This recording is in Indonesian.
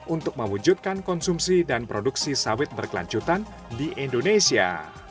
untuk mewujudkan konsumsi dan produksi sawit berkelanjutan di indonesia